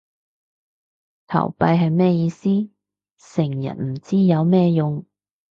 投幣係咩意思？成日唔知有咩用